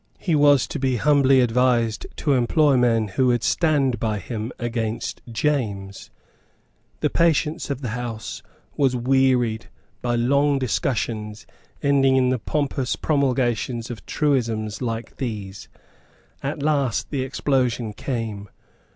He was to be humbly advised to employ men who would stand by him against James. The patience of the House was wearied out by long discussions ending in the pompous promulgation of truisms like these. At last the explosion came.